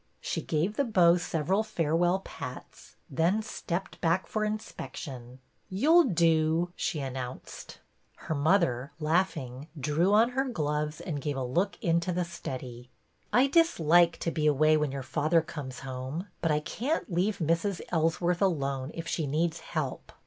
She gave the bow several farewell pats, then stepped back for inspection. You 'll do," she announced. 62 BETTY BAIRD'S VENTURES Her mother, laughing, drew on her gloves and gave a look into the study. I dislike to be away when your father comes home, but I can't leave Mrs. Ellsworth alone if she needs help.